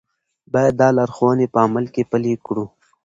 باید دا لارښوونې په عمل کې پلي کړو.